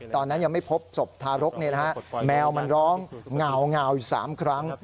ตอนนั้นยังไม่พบศพทารกแมวมันร้องเงาวอีก๓ครั้ง